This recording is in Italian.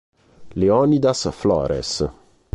Leonidas Flores